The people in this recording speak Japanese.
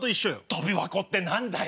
とび箱って何だよ。